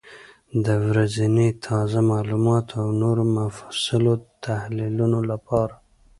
د ورځني تازه معلوماتو او نورو مفصلو تحلیلونو لپاره،